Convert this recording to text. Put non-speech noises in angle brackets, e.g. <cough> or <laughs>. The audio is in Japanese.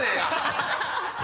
ハハハ <laughs>